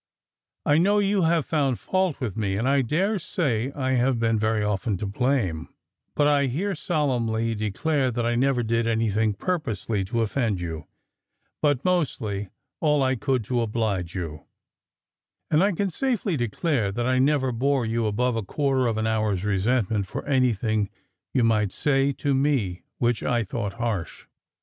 I know you have often found fault with me, and I dare say I have been very often to blame; but I here solemnly declare that I never did anything purposely to offend you, but mostly, all I could to oblige you and I can safely declare that I never bore you above a quarter of an hour's resentment for anything you might say to me which I thought harsh.